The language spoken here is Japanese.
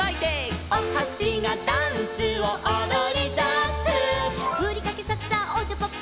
「おはしがダンスをおどりだす」「ふりかけさっさおちゃぱっぱ」